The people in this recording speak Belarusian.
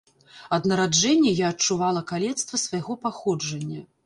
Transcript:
Ад нараджэння я адчувала калецтва свайго паходжання.